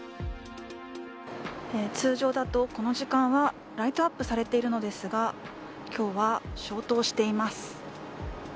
通常だと、この時間はライトアップされているのですが今日は消灯しています。